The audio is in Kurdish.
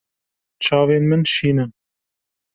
Çavên min şîn in.